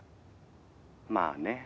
「まあね」